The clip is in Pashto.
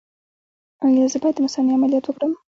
ایا زه باید د مثانې عملیات وکړم؟